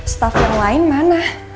staff yang lain mana